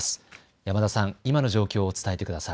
山田さん、今の状況を伝えてください。